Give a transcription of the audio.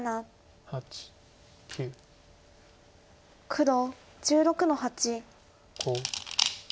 黒１６の八。